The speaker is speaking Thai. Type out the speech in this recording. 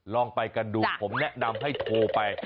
ลองไปกันดูผมแนะนำให้โทรไป